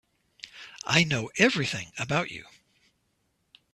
I know everything about you.